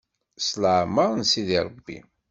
S lamer n sidi Rebbi.